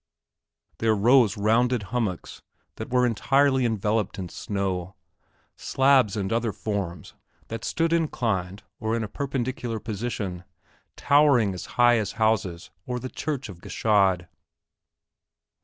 There rose rounded hummocks that were entirely enveloped in snow, slabs and other forms that stood inclined or in a perpendicular position, towering as high as houses or the church of Gschaid.